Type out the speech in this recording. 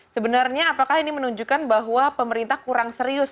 sebenarnya apakah ini menunjukkan bahwa pemerintah kurang serius